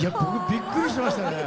びっくりしましたよね。